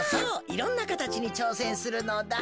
いろんなかたちにちょうせんするのだ。